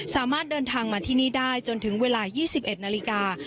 สามารถเดินทางมาที่นี่ได้จนถึงเวลา๒๑นาฬิกา